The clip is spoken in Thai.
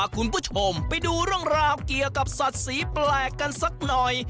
คุณผู้ชมไปดูเรื่องราวเกี่ยวกับสัตว์สีแปลกกันสักหน่อย